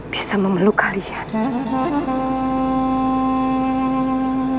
bisa memeluk kalian